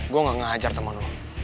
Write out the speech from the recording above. gua ga ngehajar temen lo